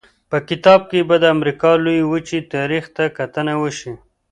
په کتاب کې به د امریکا لویې وچې تاریخ ته کتنه وشي.